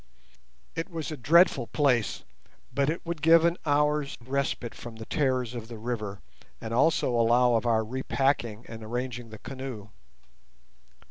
It was a dreadful place, but it would give an hour's respite from the terrors of the river, and also allow of our repacking and arranging the canoe.